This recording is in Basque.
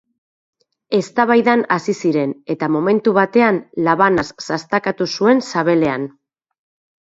Eztabaidan hasi ziren, eta momentu batean labanaz sastakatu zuen sabelean.